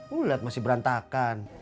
lu liat masih berantakan